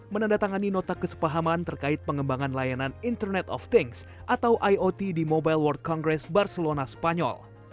menandatangani nota kesepahaman terkait pengembangan layanan internet of things atau iot di mobile world congress barcelona spanyol